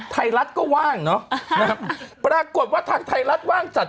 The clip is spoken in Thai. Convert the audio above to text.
ไทรัฐก็ว่างเนอะปรากฏว่าทางไทรัฐว่างจัด